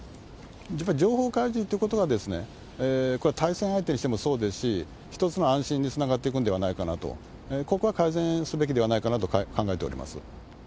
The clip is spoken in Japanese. やっぱり情報開示ってことは、これは対戦相手にしてもそうですし、一つの安心につながっていくんではないかなと、ここは改善すべきではないかなと考えております。